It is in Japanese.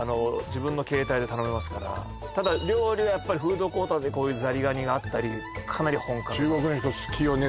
自分の携帯で頼めますからただ料理はやっぱりフードコートでこういうザリガニがあったりかなり本格的中国の人好きよね